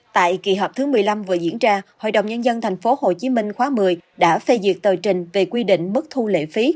tại kỳ họp thứ một mươi năm vừa diễn ra hội đồng nhân dân tp hcm khóa một mươi đã phê duyệt tờ trình về quy định mức thu lệ phí